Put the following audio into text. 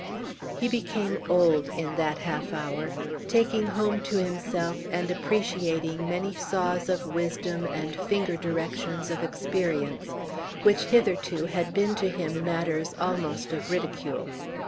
He became old in that half hour, taking home to himself and appreciating many saws of wisdom and finger directions of experience which hitherto had been to him matters almost of ridicule.